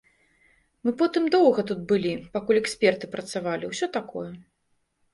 Мы потым доўга тут былі, пакуль эксперты працавалі, ўсё такое.